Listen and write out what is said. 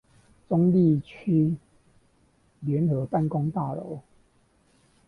中壢區聯合辦公大樓